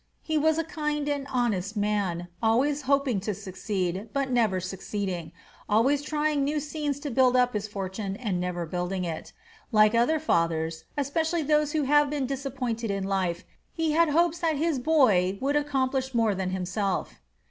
He was a kind and honest man, always hoping to succeed, but never succeeding; always trying new scenes to build up his fortune and never building it. Like other fathers, especially those who have been disappointed in life, he had hopes that his boy would accomplish more than himself.